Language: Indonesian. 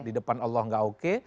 di depan allah gak oke